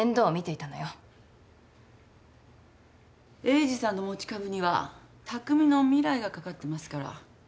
栄治さんの持ち株には拓未の未来がかかってますから。